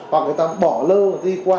hoặc người ta bỏ lơ đi qua